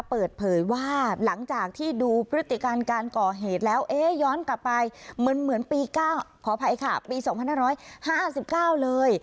เปิดเผยว่าหลังจากที่ดูพฤติการการก่อเหตุแล้วเอ๊ะย้อนกลับไปเหมือนปี๙ขออภัยค่ะปี๒๕๕๙เลย